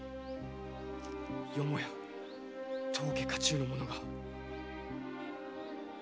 よもや当家家中の者が。